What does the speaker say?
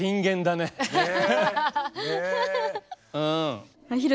ねえ！